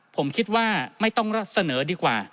ผมคิดว่าไม่ต้องเสนอดีกว่า